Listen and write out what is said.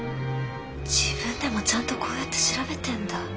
自分でもちゃんとこうやって調べてんだ。